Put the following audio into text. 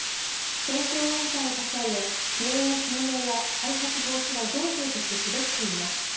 検証委員会を立ち上げ原因究明や再発防止は行政としてすべきといいます。